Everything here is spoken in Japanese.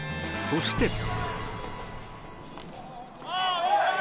そして。